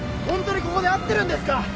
ホントにここで合ってるんですか？